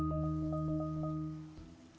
lo mau ke warung dulu